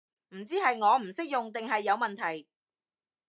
唔知係我唔識用定係有問題